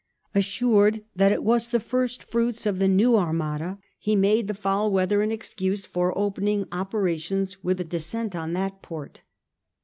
Assured that it was the first fruits of the new Armada, he made the foul weather an excuse for opening operations with a descent on that port.